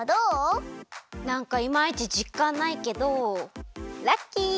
なんかいまいちじっかんないけどラッキー。